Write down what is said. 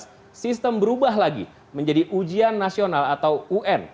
di tahun dua ribu lima sistem berubah lagi menjadi ujian nasional atau un